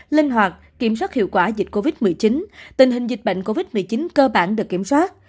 linh hoạt kiểm soát hiệu quả dịch covid một mươi chín tình hình dịch bệnh covid một mươi chín cơ bản được kiểm soát